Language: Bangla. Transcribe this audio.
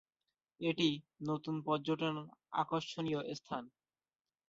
এটি নতুন পর্যটন আকর্ষণীয় স্থান।